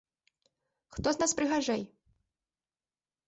Хто з нас прыгажэй?